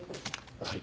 はい。